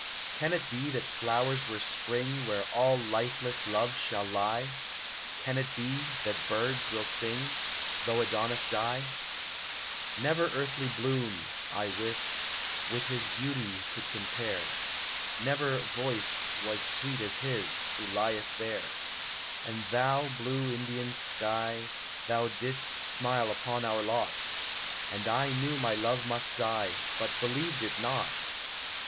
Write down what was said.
Can it be that flowers will spring Where all lifeless Love shall lie ? 121 ADONIS Can it be that birds will sing, Though Adonis die ? Never earthly bloom, I wis, With his beauty could compare ; Never voice was sweet as his Who lieth there ; And, thou blue Idalian sky, Thou did'st smile upon our lot, And I knew my love must die, — But believed it not